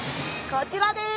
こちらです！